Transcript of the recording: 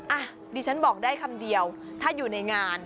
อ่ะดิฉันบอกได้คำเดียวถ้าอยู่ในงาน